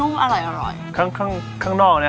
นุ่มครับนุ่มครับนุ่มครับนุ่มครับนุ่มครับนุ่มครับนุ่มครับ